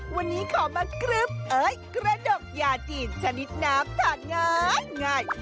วันนี้ขอมากรึ๊บเอ้ยกระดกยาจีนชนิดน้ำทานง่าย